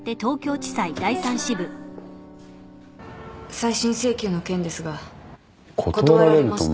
再審請求の件ですが断られました。